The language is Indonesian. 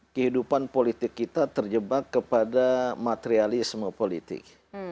kehidupan politik kita terjebak kepada materialisme politik